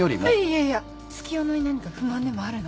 いやいや月夜野に何か不満でもあるの？